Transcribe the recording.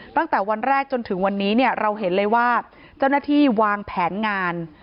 ตั้งแต่วันแรกจนถึงวันนี้เนี่ยเราเห็นเลยว่าเจ้าหน้าที่วางแผนงาน